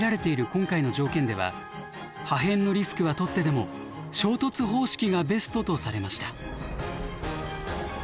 今回の条件では破片のリスクはとってでも衝突方式がベストとされました。